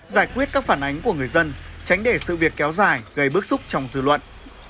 giải quyết các phản ánh của người dân tránh để sự việc kéo dài gây bức xúc trong dư luận